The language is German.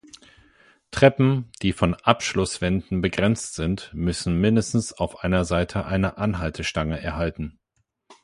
Treppen, die von Abschlußwänden begrenzt sind, müssen mindestens auf einer Seite eine Anhaltestange erhalten.